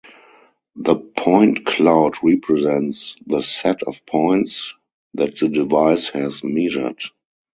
The point cloud represents the set of points that the device has measured.